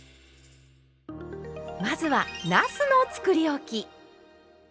まずはなすのつくりおき。